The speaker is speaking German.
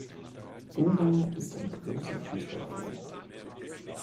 Lohmeyer ist ein großer Fußballfan.